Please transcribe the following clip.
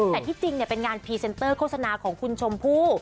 แต่ที่จริงเป็นงานพรีเซนเตอร์โฆษณาของคุณชมพู่